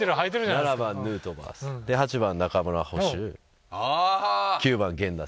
７番ヌートバー８番中村捕手９番源田選手ですね。